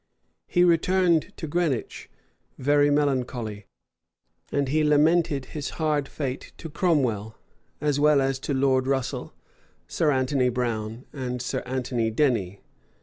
He returned to Greenwich very melancholy; and he much lamented his hard fate to Cromwell, as well as to Lord Russel, Sir Anthony Brown, and Sir Anthony Denny.